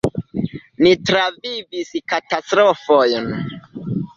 "Ni travivis katastrofojn."